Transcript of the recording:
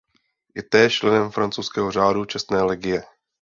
Je též členem francouzského Řádu čestné legie.